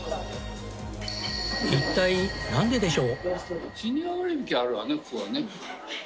一体なんででしょう？